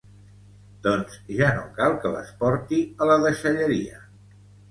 Doncs ja no cal que les porti a la deixalleria